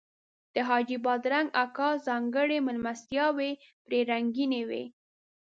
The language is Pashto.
د حاجي بادرنګ اکا ځانګړي میلمستیاوې پرې رنګینې وې.